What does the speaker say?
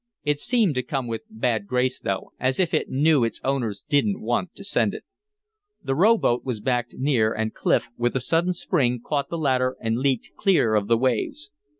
It seemed to come with bad grace though, as if it knew its owners didn't want to send it. The rowboat was backed near and Clif, with a sudden spring, caught the ladder and leaped clear of the waves.